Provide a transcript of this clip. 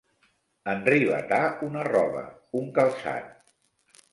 Enrivetar una roba, un calçat.